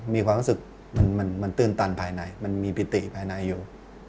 มีความรู้สึกมันตื้นตันภายในมันมีปิติภายในอยู่